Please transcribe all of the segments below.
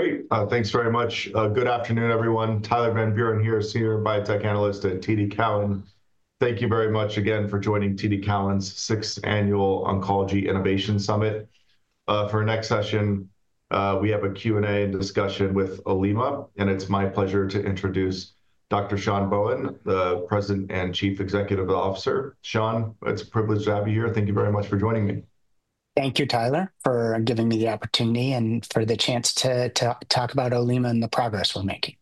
Great. Thanks very much. Good afternoon, everyone. Tyler Van Buren here, Senior Biotech Analyst at TD Cowen. Thank you very much again for joining TD Cowen's Sixth Annual Oncology Innovation Summit. For our next session, we have a Q&A and discussion with Olema, and it's my pleasure to introduce Dr. Sean Bohen, the President and Chief Executive Officer. Sean, it's a privilege to have you here. Thank you very much for joining me. Thank you, Tyler, for giving me the opportunity and for the chance to talk about Olema and the progress we're making.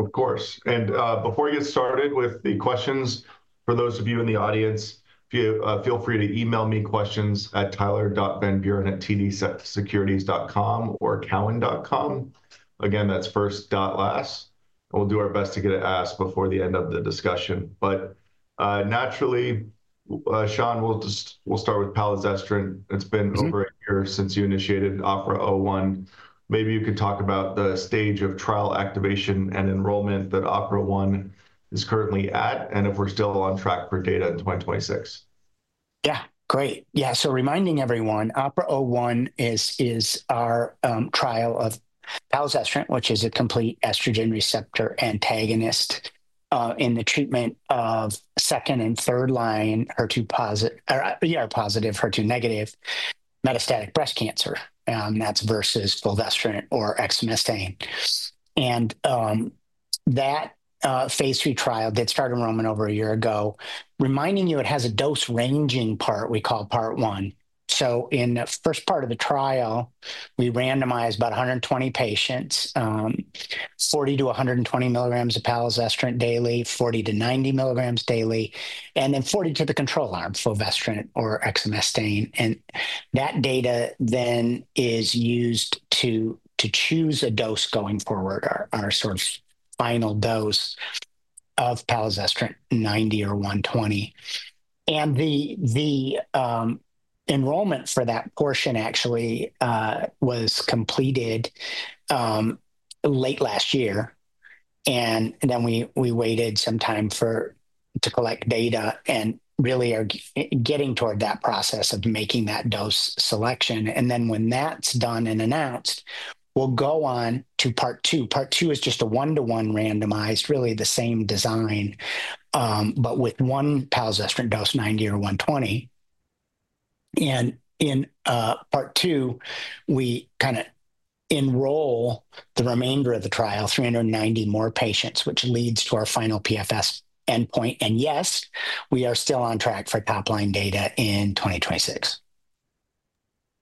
Of course. Before we get started with the questions, for those of you in the audience, feel free to email me questions at tyler.vanburen@tdsecurities.com or cowen.com. Again, that's first dot last. We'll do our best to get it asked before the end of the discussion. Naturally, Sean, we'll start with palazestrant. It's been over a year since you initiated OPERA-01. Maybe you could talk about the stage of trial activation and enrollment that OPERA-01 is currently at, and if we're still on track for data in 2026. Yeah, great. Yeah. Reminding everyone, OPERA-01 is our trial of palazestrant, which is a complete estrogen receptor antagonist in the treatment of second and third line ER+/HER2-metastatic breast cancer. That is versus fulvestrant or exemestane. That phase III trial did start enrollment over a year ago. Reminding you, it has a dose ranging part we call part one. In the first part of the trial, we randomized about 120 patients, 40 mg-120 mg of palazestrant daily, 40 mg-90 mg daily, and then 40 to the control arms, fulvestrant or exemestane. That data then is used to choose a dose going forward, our sort of final dose of palazestrant, 90 or 120. The enrollment for that portion actually was completed late last year. We waited some time to collect data and really are getting toward that process of making that dose selection. When that's done and announced, we'll go on to part two. Part two is just a one-to-one randomized, really the same design, but with one palazestrant dose, 90 or 120. In part two, we kind of enroll the remainder of the trial, 390 more patients, which leads to our final PFS endpoint. Yes, we are still on track for top line data in 2026.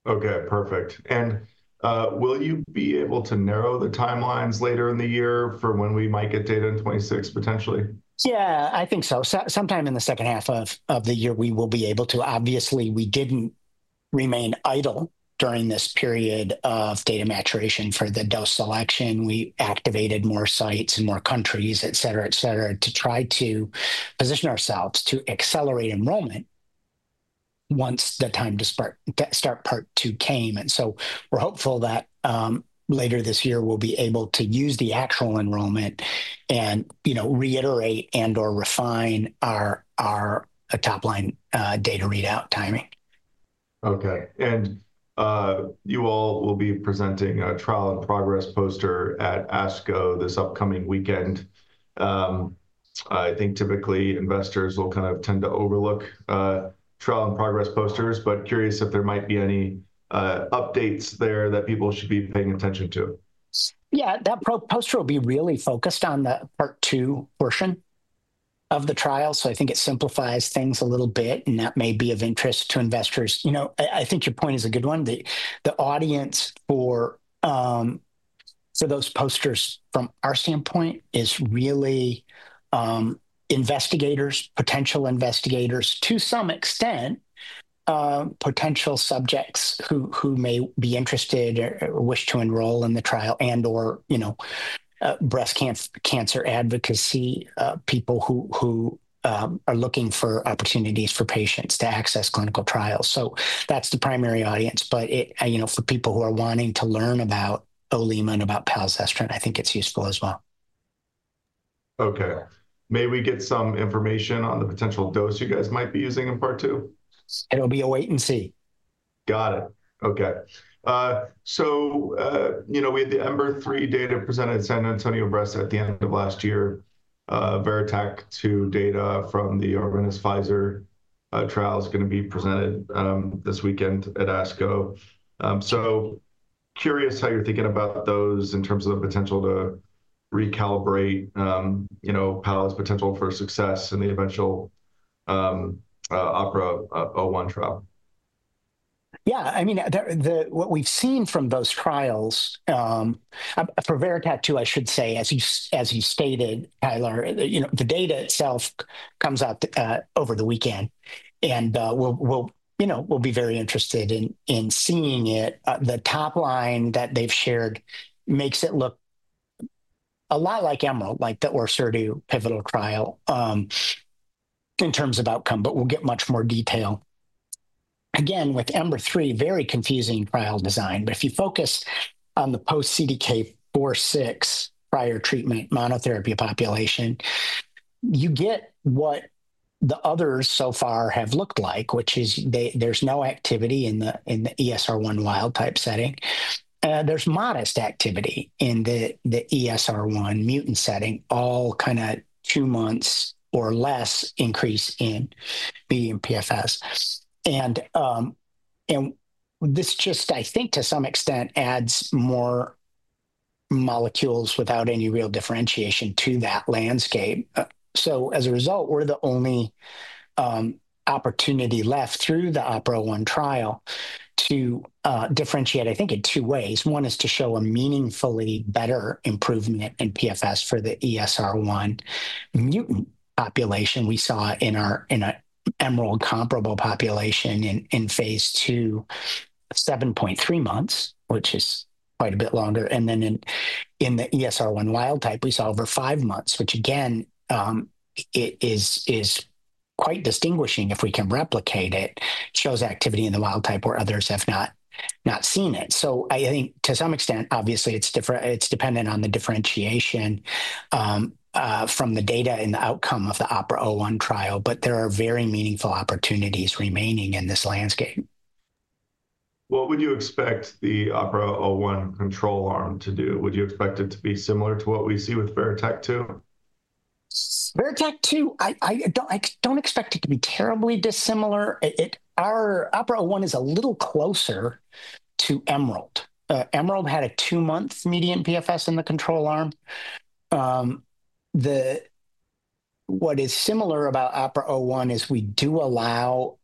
Okay, perfect. Will you be able to narrow the timelines later in the year for when we might get data in 2026, potentially? Yeah, I think so. Sometime in the second half of the year, we will be able to. Obviously, we didn't remain idle during this period of data maturation for the dose selection. We activated more sites and more countries, et cetera, et cetera, to try to position ourselves to accelerate enrollment once the time to start part two came. We are hopeful that later this year, we'll be able to use the actual enrollment and reiterate and/or refine our top line data readout timing. Okay. You all will be presenting a trial in progress poster at ASCO this upcoming weekend. I think typically investors will kind of tend to overlook trial in progress posters, but curious if there might be any updates there that people should be paying attention to? Yeah, that poster will be really focused on the part two portion of the trial. I think it simplifies things a little bit, and that may be of interest to investors. You know, I think your point is a good one. The audience for those posters from our standpoint is really investigators, potential investigators to some extent, potential subjects who may be interested or wish to enroll in the trial and/or breast cancer advocacy people who are looking for opportunities for patients to access clinical trials. That's the primary audience. For people who are wanting to learn about Olema and about palazestrant, I think it's useful as well. Okay. May we get some information on the potential dose you guys might be using in part two? It'll be a wait and see. Got it. Okay. We had the EMBER-3 data presented at San Antonio Breast at the end of last year. VERITAC-2 data from the Arvinas-Pfizer trial is going to be presented this weekend at ASCO. Curious how you're thinking about those in terms of the potential to recalibrate pal's potential for success in the eventual OPERA-01 trial. Yeah, I mean, what we've seen from those trials for VERITAC-2, I should say, as you stated, Tyler, the data itself comes out over the weekend. We'll be very interested in seeing it. The top line that they've shared makes it look a lot like EMERALD, like the ORSERDU pivotal trial in terms of outcome, but we'll get much more detail. Again, with EMBER-3, very confusing trial design. If you focus on the post-CDK4/6 prior treatment monotherapy population, you get what the others so far have looked like, which is there's no activity in the ESR1 wild-type setting. There's modest activity in the ESR1 mutant setting, all kind of two months or less increase in median PFS. This just, I think, to some extent adds more molecules without any real differentiation to that landscape. As a result, we're the only opportunity left through the OPERA-01 trial to differentiate, I think, in two ways. One is to show a meaningfully better improvement in PFS for the ESR1 mutant population. We saw in our EMERALD comparable population in phase II, 7.3 months, which is quite a bit longer. And then in the ESR1 wild-type, we saw over five months, which again, it is quite distinguishing if we can replicate it, shows activity in the wild-type where others have not seen it. I think to some extent, obviously, it's dependent on the differentiation from the data and the outcome of the OPERA-01 trial, but there are very meaningful opportunities remaining in this landscape. What would you expect the OPERA-01 control arm to do? Would you expect it to be similar to what we see with VERITAC-2? VERITAC-2, I don't expect it to be terribly dissimilar. Our OPERA-01 is a little closer to EMERALD. EMERALD had a two-month median PFS in the control arm. What is similar about OPERA-01 is we do allow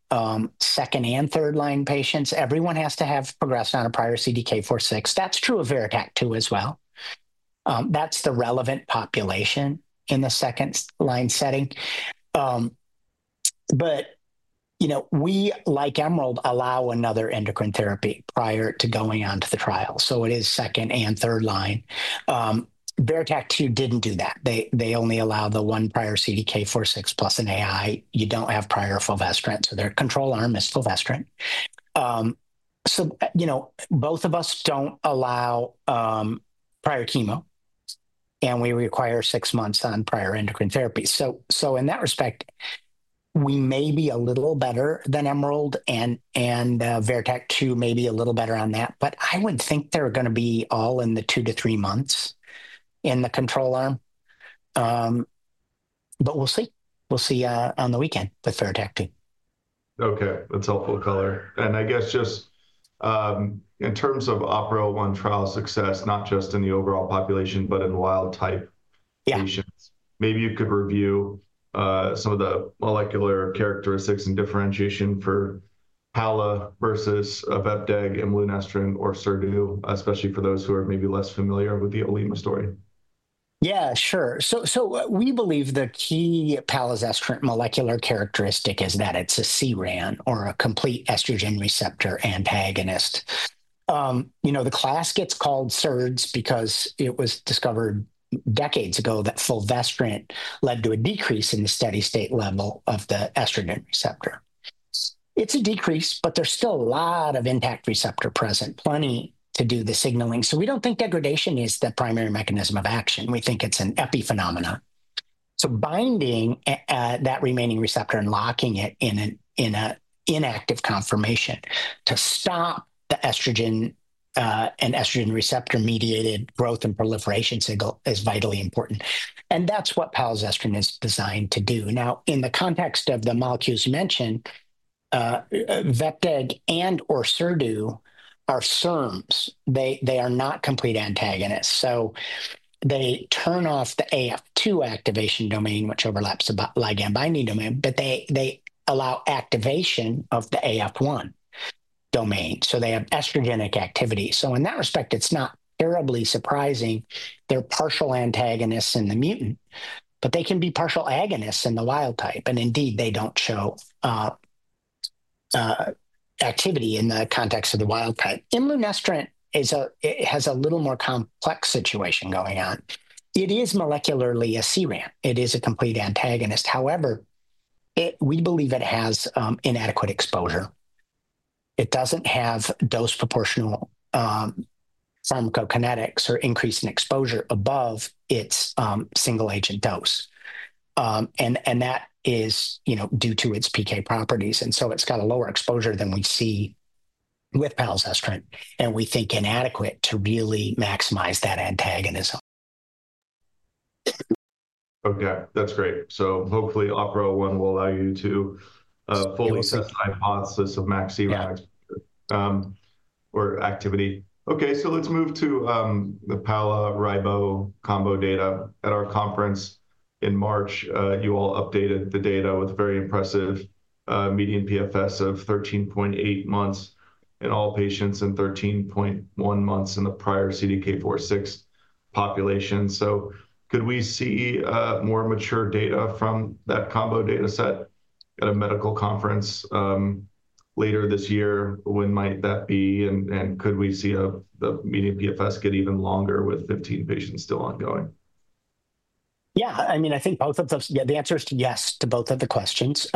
second and third line patients. Everyone has to have progressed on a prior CDK4/6. That's true of VERITAC-2 as well. That's the relevant population in the second line setting. We, like EMERALD, allow another endocrine therapy prior to going on to the trial. It is second and third line. VERITAC-2 didn't do that. They only allow the one prior CDK4/6 plus an AI. You don't have prior fulvestrant. Their control arm is fulvestrant. Both of us don't allow prior chemo, and we require six months on prior endocrine therapy. In that respect, we may be a little better than EMERALD, and VERITAC-2 may be a little better on that. I would not think they are going to be all in the two to three months in the control arm. We will see. We will see on the weekend with VERITAC-2. Okay. That's helpful color. I guess just in terms of OPERA-01 trial success, not just in the overall population, but in wild-type patients, maybe you could review some of the molecular characteristics and differentiation for pala versus vepdeg, imlunestrant, or ORSERDU, especially for those who are maybe less familiar with the Olema story. Yeah, sure. We believe the key palazestrant molecular characteristic is that it's a CERAN or a complete estrogen receptor antagonist. The class gets called SERDs because it was discovered decades ago that fulvestrant led to a decrease in the steady-state level of the estrogen receptor. It's a decrease, but there's still a lot of intact receptor present, plenty to do the signaling. We don't think degradation is the primary mechanism of action. We think it's an epiphenomenon. Binding that remaining receptor and locking it in an inactive conformation to stop the estrogen and estrogen receptor-mediated growth and proliferation signal is vitally important. That's what palazestrant is designed to do. In the context of the molecules you mentioned, vepdeg and/or ORSEDU are [SERMs]. They are not complete antagonists. They turn off the AF2 activation domain, which overlaps the ligand-binding domain, but they allow activation of the AF1 domain. They have estrogenic activity. In that respect, it's not terribly surprising. They're partial antagonists in the mutant, but they can be partial agonists in the wild-type. Indeed, they don't show activity in the context of the wild-type. Imlunestrant has a little more complex situation going on. It is molecularly a CERAN. It is a complete antagonist. However, we believe it has inadequate exposure. It doesn't have dose-proportional pharmacokinetics or increase in exposure above its single-agent dose. That is due to its PK properties. It's got a lower exposure than we see with palazestrant. We think inadequate to really maximize that antagonism. Okay. That's great. Hopefully OPERA-01 will allow you to fully assess the hypothesis of max CERAN or activity. Okay. Let's move to the pala-ribo combo data. At our conference in March, you all updated the data with a very impressive median PFS of 13.8 months in all patients and 13.1 months in the prior CDK4/6 population. Could we see more mature data from that combo data set at a Medical Conference later this year? When might that be? Could we see the median PFS get even longer with 15 patients still ongoing? Yeah. I mean, I think both of those, yeah, the answer is yes to both of the questions.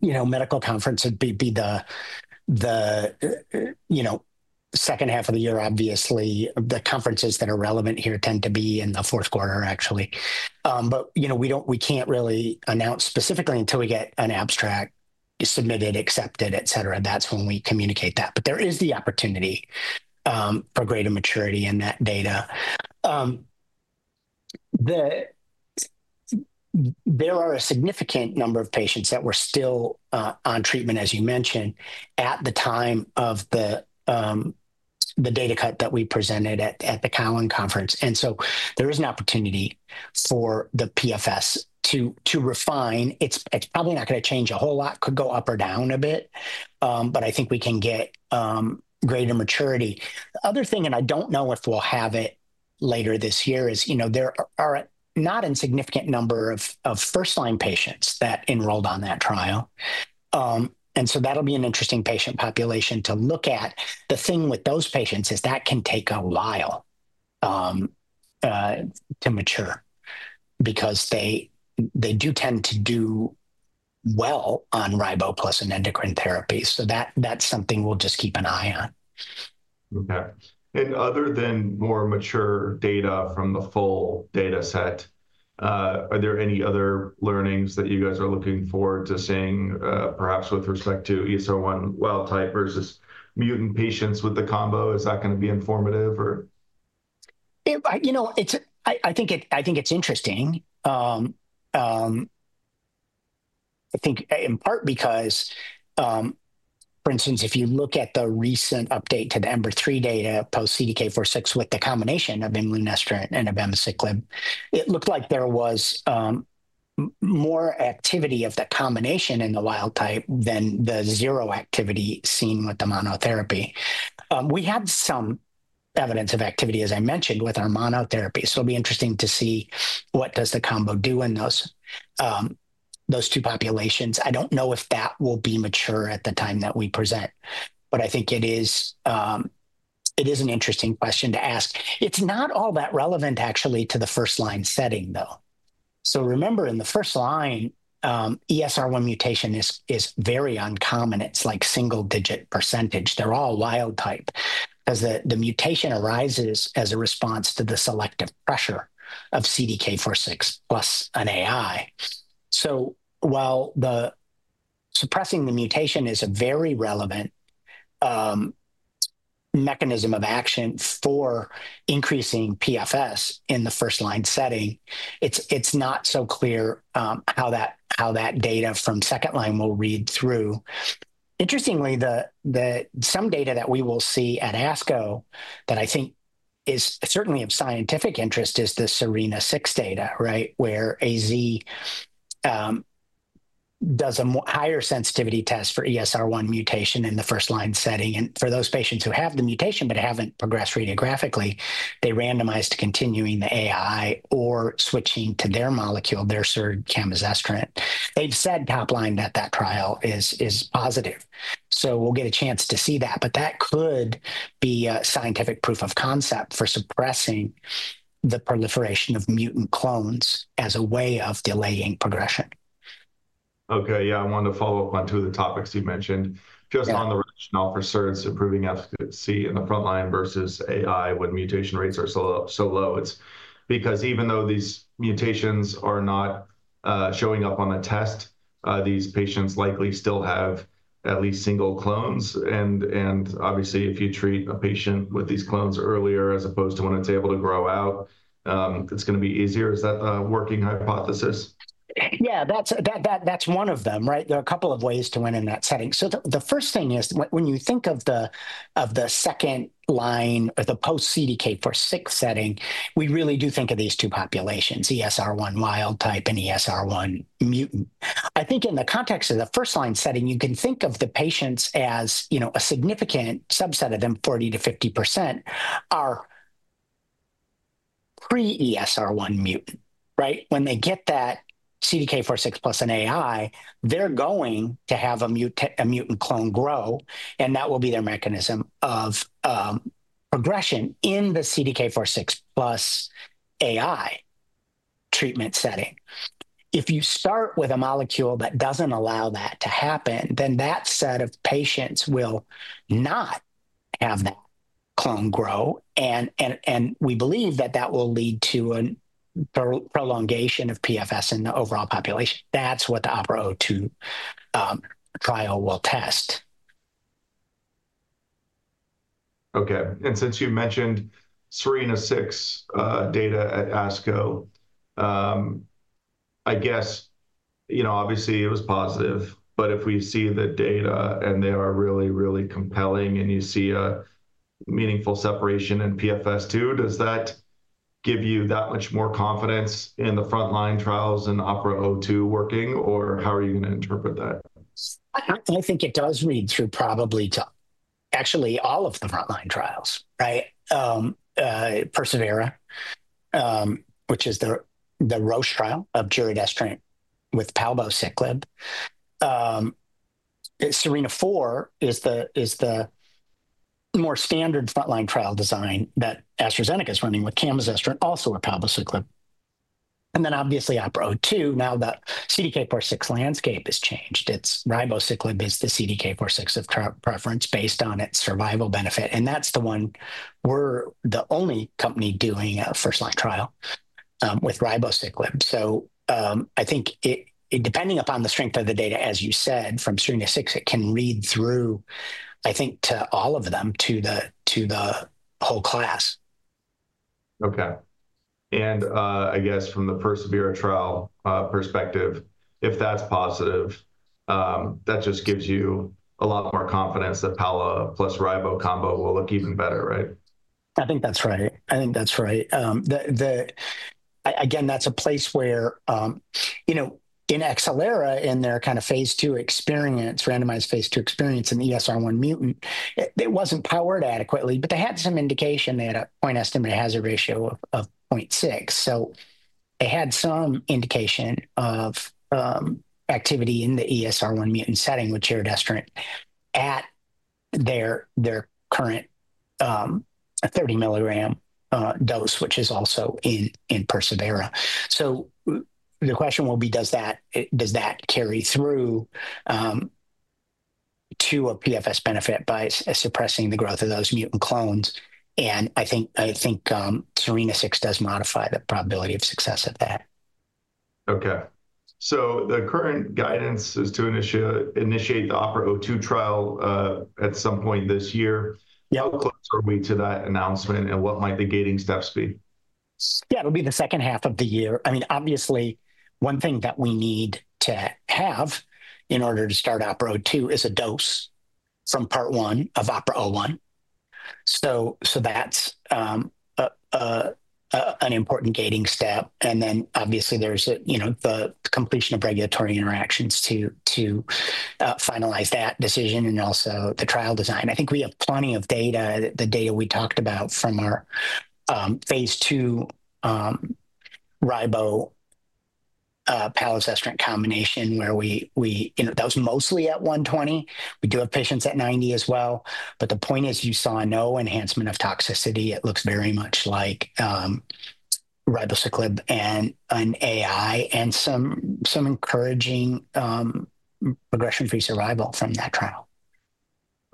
Medical conference would be the second half of the year, obviously. The conferences that are relevant here tend to be in the fourth quarter, actually. We can't really announce specifically until we get an abstract submitted, accepted, et cetera. That's when we communicate that. There is the opportunity for greater maturity in that data. There are a significant number of patients that were still on treatment, as you mentioned, at the time of the data cut that we presented at the Cowen Conference. There is an opportunity for the PFS to refine. It's probably not going to change a whole lot. Could go up or down a bit, but I think we can get greater maturity. The other thing, and I don't know if we'll have it later this year, is there are not a significant number of first-line patients that enrolled on that trial. That'll be an interesting patient population to look at. The thing with those patients is that can take a while to mature because they do tend to do well on ribo plus an endocrine therapy. That is something we'll just keep an eye on. Okay. Other than more mature data from the full data set, are there any other learnings that you guys are looking forward to seeing perhaps with respect to ESR1 wild-type versus mutant patients with the combo? Is that going to be informative or? I think it's interesting. I think in part because, for instance, if you look at the recent update to the EMBER-3 data post-CDK4/6 with the combination of imlunestrant and abemaciclib, it looked like there was more activity of the combination in the wild-type than the zero activity seen with the monotherapy. We have some evidence of activity, as I mentioned, with our monotherapy. It'll be interesting to see what does the combo do in those two populations. I don't know if that will be mature at the time that we present, but I think it is an interesting question to ask. It's not all that relevant, actually, to the first-line setting, though. Remember, in the first line, ESR1 mutation is very uncommon. It's like single-digit percentage. They're all wild-type because the mutation arises as a response to the selective pressure of CDK4/6 plus an AI. While suppressing the mutation is a very relevant mechanism of action for increasing PFS in the first-line setting, it's not so clear how that data from second line will read through. Interestingly, some data that we will see at ASCO that I think is certainly of scientific interest is the SERENA-6 data, right, where AZ does a higher sensitivity test for ESR1 mutation in the first-line setting. For those patients who have the mutation but haven't progressed radiographically, they randomized continuing the AI or switching to their molecule, their SERD, camizestrant. They've said top line that that trial is positive. We will get a chance to see that. That could be a scientific proof of concept for suppressing the proliferation of mutant clones as a way of delaying progression. Okay. Yeah. I wanted to follow up on two of the topics you mentioned. Just on the rationale for SERDs improving efficacy in the front line versus AI when mutation rates are so low. It's because even though these mutations are not showing up on a test, these patients likely still have at least single clones. And obviously, if you treat a patient with these clones earlier as opposed to when it's able to grow out, it's going to be easier. Is that a working hypothesis? Yeah. That's one of them, right? There are a couple of ways to win in that setting. The first thing is when you think of the second line or the post-CDK4/6 setting, we really do think of these two populations, ESR1 wild-type and ESR1 mutant. I think in the context of the first-line setting, you can think of the patients as a significant subset of them, 40%-50%, are pre-ESR1 mutant, right? When they get that CDK4/6 plus an AI, they're going to have a mutant clone grow, and that will be their mechanism of progression in the CDK4/6 plus AI treatment setting. If you start with a molecule that doesn't allow that to happen, then that set of patients will not have that clone grow. We believe that that will lead to a prolongation of PFS in the overall population. That's what the OPERA-02 trial will test. Okay. Since you mentioned SERENA-6 data at ASCO, I guess, obviously, it was positive. If we see the data and they are really, really compelling and you see a meaningful separation in PFS2, does that give you that much more confidence in the front-line trials and OPERA-02 working, or how are you going to interpret that? I think it does read through probably to actually all of the front-line trials, right? PersevERA, which is the Roche trial of giredestrant with palbociclib. SERENA-4 is the more standard front-line trial design that AstraZeneca is running with camizestrant, also with palbociclib. Obviously, OPERA-02, now the CDK4/6 landscape has changed. It is ribociclib that is the CDK4/6 of preference based on its survival benefit. That is the one where we are the only company doing a first-line trial with ribociclib. I think depending upon the strength of the data, as you said, from SERENA-6, it can read through, I think, to all of them, to the whole class. Okay. I guess from the persevERA trial perspective, if that's positive, that just gives you a lot more confidence that pala plus ribo combo will look even better, right? I think that's right. I think that's right. Again, that's a place where in acelERA in their kind of phase II experience, randomized phase II experience in the ESR1 mutant, it wasn't powered adequately, but they had some indication. They had a point estimated hazard ratio of 0.6. They had some indication of activity in the ESR1 mutant setting with giredestrant at their current 30 mg dose, which is also in persevERA. The question will be, does that carry through to a PFS benefit by suppressing the growth of those mutant clones? I think SERENA-6 does modify the probability of success at that. Okay. The current guidance is to initiate the OPERA-02 trial at some point this year. How close are we to that announcement, and what might the gating steps be? Yeah, it'll be the second half of the year. I mean, obviously, one thing that we need to have in order to start OPERA-02 is a dose from part one of OPERA-01. That's an important gating step. Obviously, there's the completion of regulatory interactions to finalize that decision and also the trial design. I think we have plenty of data, the data we talked about from our phase II ribo palazestrant combination, where that was mostly at 120. We do have patients at 90 as well. The point is you saw no enhancement of toxicity. It looks very much like ribociclib and an AI and some encouraging progression-free survival from that trial.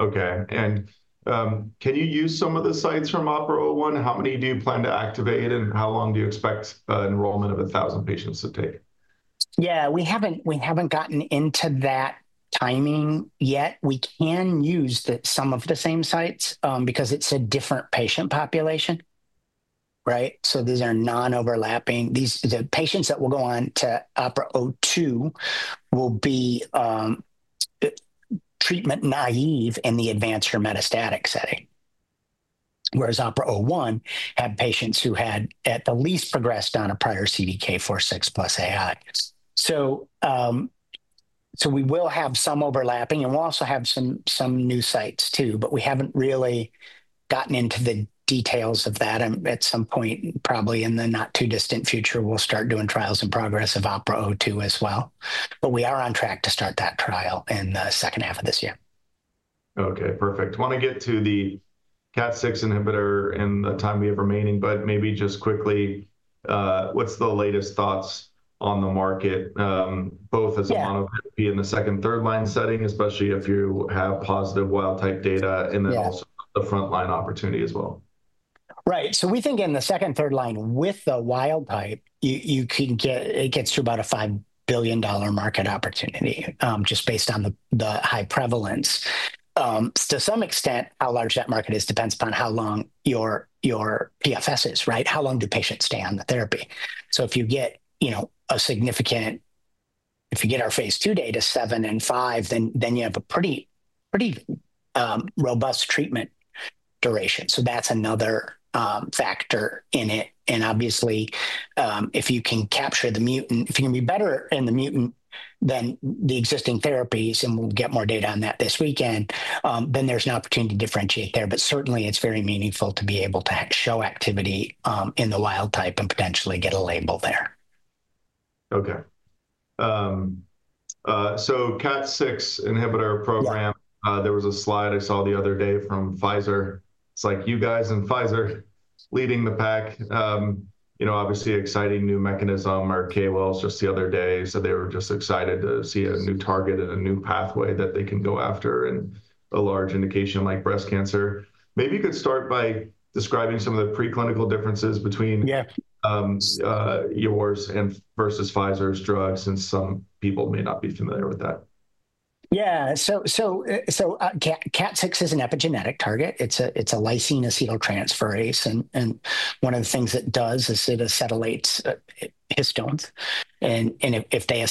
Okay. Can you use some of the sites from OPERA-01? How many do you plan to activate, and how long do you expect enrollment of 1,000 patients to take? Yeah. We haven't gotten into that timing yet. We can use some of the same sites because it's a different patient population, right? These are non-overlapping. The patients that will go on to OPERA-02 will be treatment naïve in the advanced or metastatic setting, whereas OPERA-01 had patients who had at the least progressed on a prior CDK4/6 plus AI. We will have some overlapping, and we'll also have some new sites too, but we haven't really gotten into the details of that. At some point, probably in the not-too-distant future, we'll start doing trials in progress of OPERA-02 as well. We are on track to start that trial in the second half of this year. Okay. Perfect. I want to get to the KAT6 inhibitor and the time we have remaining, but maybe just quickly, what's the latest thoughts on the market, both as a monotherapy in the second, third-line setting, especially if you have positive wild-type data, and then also the front-line opportunity as well? Right. We think in the second, third line, with the wild-type, it gets to about a $5 billion market opportunity just based on the high prevalence. To some extent, how large that market is depends upon how long your PFS is, right? How long do patients stay on the therapy? If you get a significant, if you get our phase II data seven and five, then you have a pretty robust treatment duration. That's another factor in it. Obviously, if you can capture the mutant, if you can be better in the mutant than the existing therapies, and we'll get more data on that this weekend, there's an opportunity to differentiate there. Certainly, it's very meaningful to be able to show activity in the wild-type and potentially get a label there. Okay. KAT6 inhibitor program, there was a slide I saw the other day from Pfizer. It's like you guys and Pfizer leading the pack. Obviously, exciting new mechanism. Our KOLs just the other day said they were just excited to see a new target and a new pathway that they can go after in a large indication like breast cancer. Maybe you could start by describing some of the preclinical differences between yours versus Pfizer's drugs, and some people may not be familiar with that. Yeah. KAT6 is an epigenetic target. It's a lysine acetyltransferase, and one of the things it does is it acetylates histones. If they're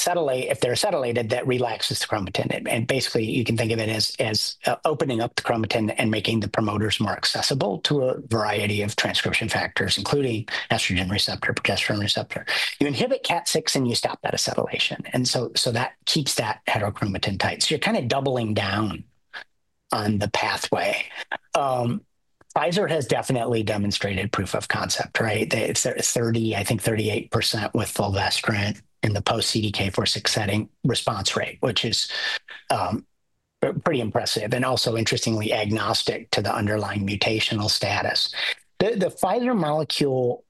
acetylated, that relaxes the chromatin. Basically, you can think of it as opening up the chromatin and making the promoters more accessible to a variety of transcription factors, including estrogen receptor, progesterone receptor. You inhibit KAT6, and you stop that acetylation. That keeps that heterochromatin tight. You're kind of doubling down on the pathway. Pfizer has definitely demonstrated proof of concept, right? It's 30, I think 38% with fulvestrant in the post-CDK4/6 setting response rate, which is pretty impressive and also, interestingly, agnostic to the underlying mutational status. The Pfizer molecule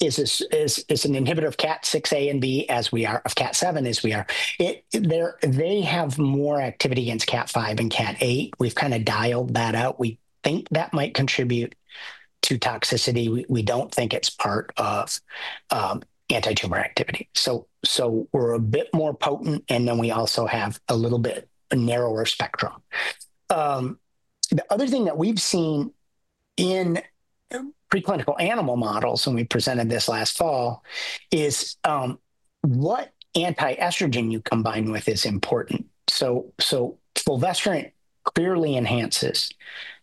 is an inhibitor of KAT6A and B as we are, of KAT7 as we are. They have more activity against KAT5 and KAT8. We've kind of dialed that out. We think that might contribute to toxicity. We don't think it's part of anti-tumor activity. We're a bit more potent, and then we also have a little bit narrower spectrum. The other thing that we've seen in preclinical animal models, and we presented this last fall, is what anti-estrogen you combine with is important. Fulvestrant clearly enhances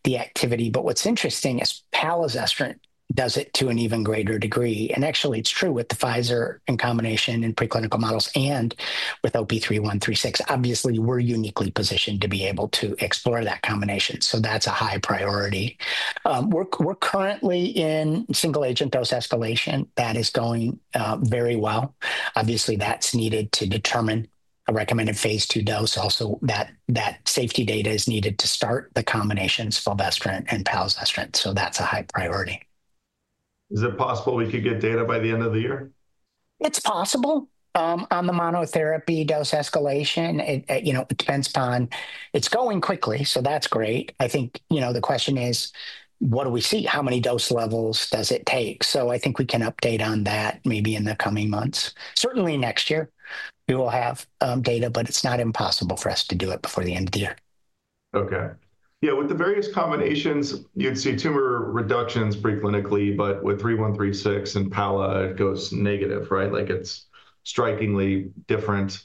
the activity, but what's interesting is palazestrant does it to an even greater degree. Actually, it's true with the Pfizer in combination in preclinical models and with OP-3136. Obviously, we're uniquely positioned to be able to explore that combination. That's a high priority. We're currently in single-agent dose escalation. That is going very well. Obviously, that's needed to determine a recommended phase II dose. Also, that safety data is needed to start the combinations, fulvestrant and palazestrant. That's a high priority. Is it possible we could get data by the end of the year? It's possible. On the monotherapy dose escalation, it depends upon. It's going quickly, so that's great. I think the question is, what do we see? How many dose levels does it take? I think we can update on that maybe in the coming months. Certainly, next year, we will have data, but it's not impossible for us to do it before the end of the year. Okay. Yeah. With the various combinations, you'd see tumor reductions preclinically, but with 3136 and pala, it goes negative, right? Like it's strikingly different.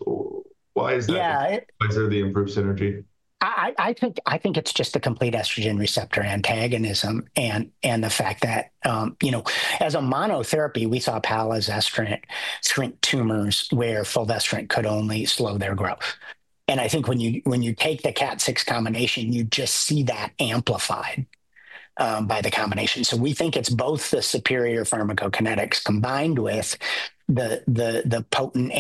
Why is that? Why is there the improved synergy? I think it's just a complete estrogen receptor antagonism and the fact that as a monotherapy, we saw palazestrant tumors where fulvestrant could only slow their growth. I think when you take the KAT6 combination, you just see that amplified by the combination. We think it's both the superior pharmacokinetics combined with the potent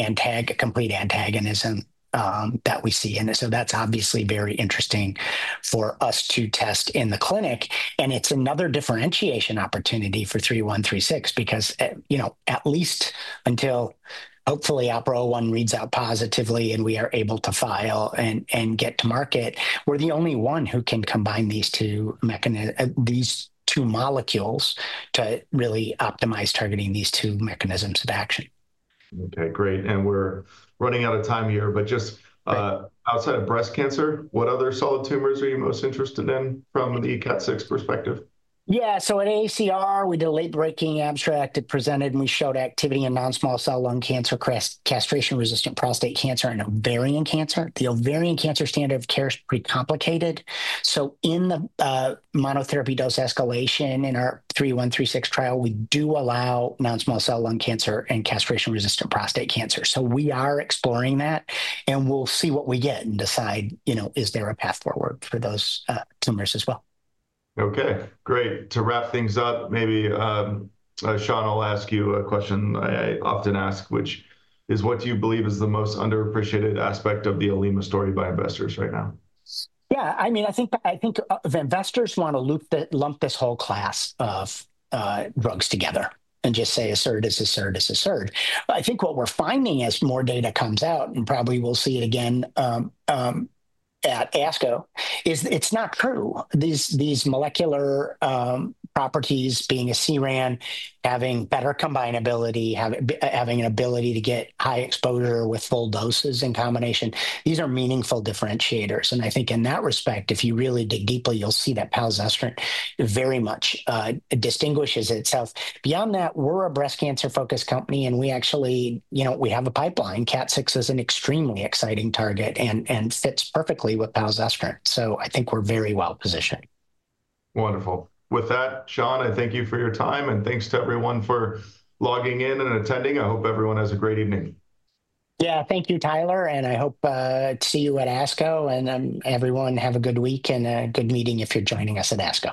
complete antagonism that we see in it. That's obviously very interesting for us to test in the clinic. It's another differentiation opportunity for 3136 because at least until hopefully OPERA-01 reads out positively and we are able to file and get to market, we're the only one who can combine these two molecules to really optimize targeting these two mechanisms of action. Okay. Great. We're running out of time here, but just outside of breast cancer, what other solid tumors are you most interested in from the KAT6 perspective? Yeah. In [ACR], we did a late-breaking abstract. It presented and we showed activity in non-small cell lung cancer, castration-resistant prostate cancer, and ovarian cancer. The ovarian cancer standard of care is pretty complicated. In the monotherapy dose escalation in our 3136 trial, we do allow non-small cell lung cancer and castration-resistant prostate cancer. We are exploring that, and we'll see what we get and decide, is there a path forward for those tumors as well? Okay. Great. To wrap things up, maybe Sean, I'll ask you a question I often ask, which is, what do you believe is the most underappreciated aspect of the Olema story by investors right now? Yeah. I mean, I think the investors want to lump this whole class of drugs together and just say, "A SERD is a SERD is a SERD." I think what we're finding as more data comes out, and probably we'll see it again at ASCO, is it's not true. These molecular properties, being a CERAN, having better combinability, having an ability to get high exposure with full doses in combination, these are meaningful differentiators. I think in that respect, if you really dig deeper, you'll see that palazestrant very much distinguishes itself. Beyond that, we're a breast cancer-focused company, and we actually have a pipeline. KAT6 is an extremely exciting target and fits perfectly with palazestrant. I think we're very well positioned. Wonderful. With that, Sean, I thank you for your time, and thanks to everyone for logging in and attending. I hope everyone has a great evening. Yeah. Thank you, Tyler, and I hope to see you at ASCO. Everyone, have a good week and a good meeting if you're joining us at ASCO.